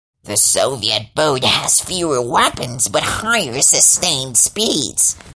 The Soviet boat has fewer weapons but higher sustained speeds.